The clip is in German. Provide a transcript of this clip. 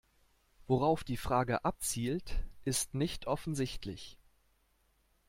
Worauf die Frage abzielt, ist nicht offensichtlich.